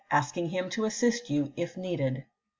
asking him to assist you if needed."